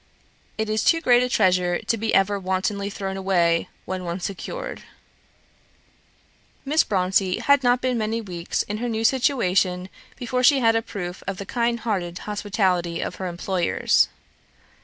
It is too great a treasure to be ever wantonly thrown away when once secured." Miss Bronte had not been many weeks in her new situation before she had a proof of the kind hearted hospitality of her employers.